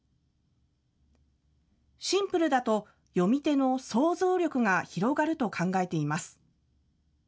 シンプルだと読み手の想像力が広がると考えています。